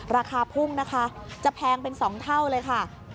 ราคาพุ่งนะคะจะแพงเป็น๒เท่าเลยค่ะ